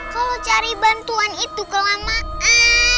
kalau cari bantuan itu kelamaan